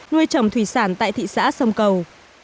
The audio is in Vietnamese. nuôi trồng thủy sản tại thị xã sông cầu